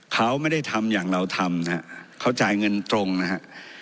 เขาไม่ได้ทำอย่างเราทำนะฮะเขาจ่ายเงินตรงนะฮะ